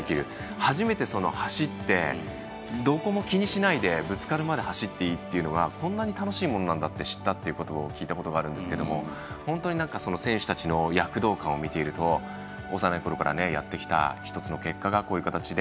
初めて走ってどこも気にしないでぶつかるまで走っていいというのがこんなに楽しいものなんだと知ったと聞いたことがあるんですが本当に選手たちの躍動感を見ていると幼いころからやってきた１つの結果がこういう形で。